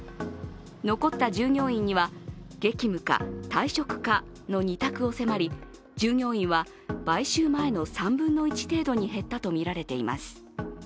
残った従業員には激務か退職かの２択を迫り、従業員は、買収前の３分の１程度に減ったとみられています。